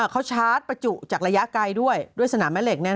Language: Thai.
เขาชาร์จประจุจากระยะไกลด้วยด้วยสนามแม่เหล็ก